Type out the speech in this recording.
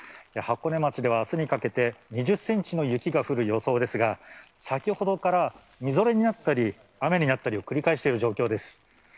箱根町ではあすにかけて２０センチの雪が降る予想ですが、先ほどからみぞれになったり雨になったりを繰り返している状況です。